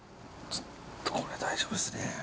ちょっとこれ、大丈夫っすね。